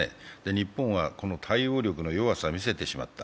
日本はこの対応力の弱さを見せてしまった。